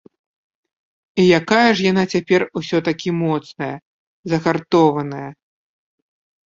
І якая ж яна цяпер усё-такі моцная, загартованая!